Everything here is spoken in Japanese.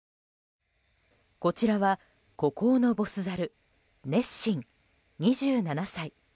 こちらは、孤高のボスザルネッシン、２７歳。